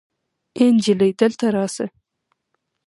آې انجلۍ دلته راسه